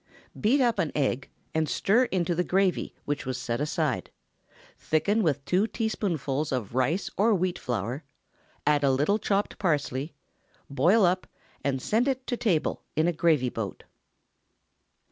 Beat up an egg, and stir into the gravy which was set aside; thicken with two teaspoonfuls of rice or wheat flour, add a little chopped parsley; boil up, and send it to table in a gravy boat.